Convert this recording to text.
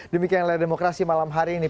demikian layar demokrasi malam hari ini